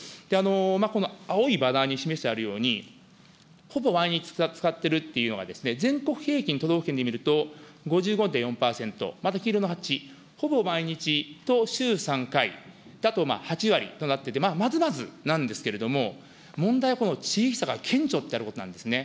青いバナーに示してあるように、ほぼ毎日使ってるっていうのが、全国平均都道府県で見ると、５５．４％、また黄色の、ほぼ毎日と週３回、あと８割となってて、まあ、まずまずなんですけれども、問題はこの小さな顕著とあることなんですね。